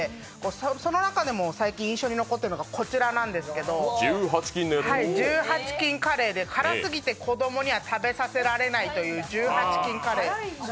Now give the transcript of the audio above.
その中でも最近印象に残ってるのが１８禁カレーで辛すぎて子供には食べさせられないという１８禁カレー。